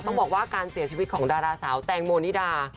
ต้องบอกว่าการเสียชีวิตของดาราสาวแตงโมนิดา